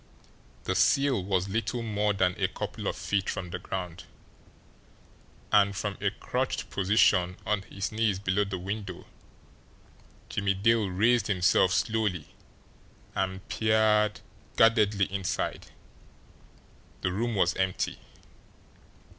The sill was little more than a couple of feet from the ground, and, from a crouched position on his knees below the window, Jimmie Dale raised himself slowly and peered guardedly inside. The room was empty.